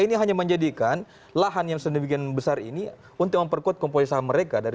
ini hanya menjadikan lahan yang sedemikian besar ini untuk memperkuat kompoi saham mereka